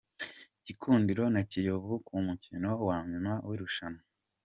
gikundiro na kiyovu Kumukino wanyuma w’irushanwa